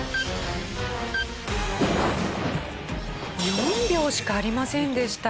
４秒しかありませんでした。